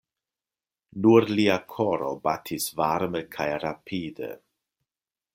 Nur lia koro batis varme kaj rapide.